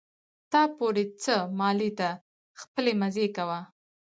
تا پورې څه مالې ته خپلې مزې کوه.